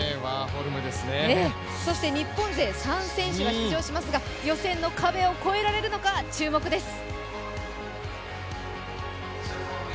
そして日本勢３選手が出場しますが予選の壁を越えられるのか注目です。